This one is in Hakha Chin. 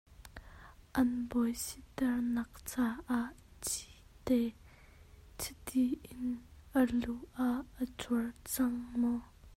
An bawi si ter naak caah chiti in a lu ah an cul cang maw?